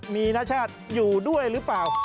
มีนชาติอยู่ด้วยหรือเปล่า